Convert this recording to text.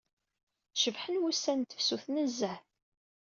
Cebḥen wussan n tefsut nezzeh.